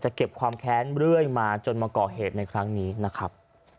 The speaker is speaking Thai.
เก็บความแค้นเรื่อยมาจนมาก่อเหตุในครั้งนี้นะครับ